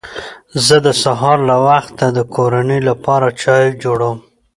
زه د سهار له وخته د کورنۍ لپاره چای جوړوم